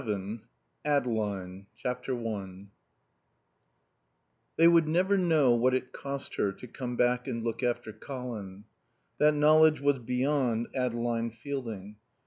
VII ADELINE i They would never know what it cost her to come back and look after Colin. That knowledge was beyond Adeline Fielding.